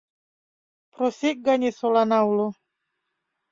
Просек гане солана уло